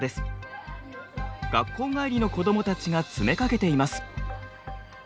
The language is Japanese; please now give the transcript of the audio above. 学校帰りの子どもたちが詰めかけています。